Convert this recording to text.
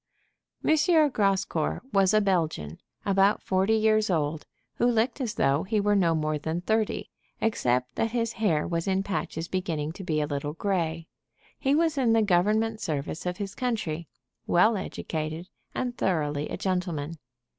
M. Grascour was a Belgian, about forty years old, who looked as though he were no more than thirty, except that his hair was in patches beginning to be a little gray. He was in the government service of his country, well educated, and thoroughly a gentleman.